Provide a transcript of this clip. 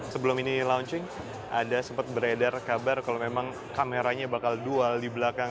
sebelum ini launching ada sempat beredar kabar kalau memang kameranya bakal dual di belakang